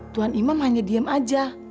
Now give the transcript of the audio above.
tuhan imam hanya diem aja